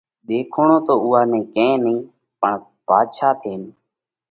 ۮيکوڻو تو اُوئا نئہ ڪئين نئين پڻ ڀاڌشا ٿينَ